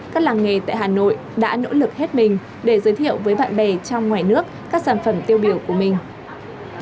các làng nghề tại hà nội đã nỗ lực hết mình để giới thiệu với bạn bè trong ngoài nước các sản phẩm tiêu biểu của mình